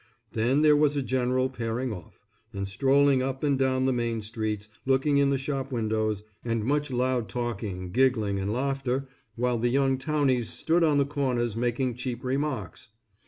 Then there was a general pairing off, and strolling up and down the main streets, looking in the shop windows, and much loud talking, giggling, and laughter, while the young townies stood on the corners making cheap remarks.